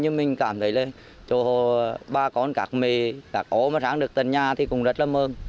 nhưng mình cảm thấy là cho ba con các mẹ các ố mà sáng được tận nhà thì cũng rất là mơ